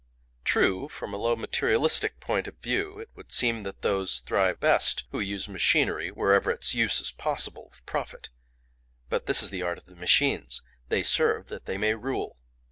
"True, from a low materialistic point of view, it would seem that those thrive best who use machinery wherever its use is possible with profit; but this is the art of the machines—they serve that they may rule.